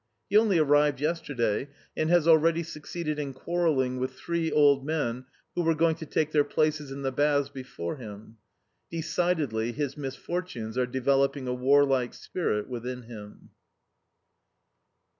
He only arrived yesterday, and has already succeeded in quarrelling with three old men who were going to take their places in the baths before him. Decidedly, his misfortunes are developing a warlike spirit within him.